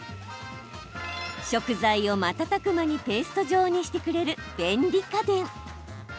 食材を瞬く間にペースト状にしてくれる便利家電。